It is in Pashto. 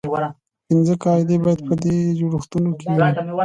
پنځه قاعدې باید په دې جوړښتونو کې وي.